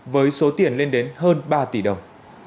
với số tiền lên đến hơn ba tỷ đồng